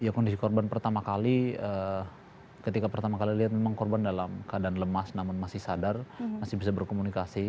ya kondisi korban pertama kali ketika pertama kali lihat memang korban dalam keadaan lemas namun masih sadar masih bisa berkomunikasi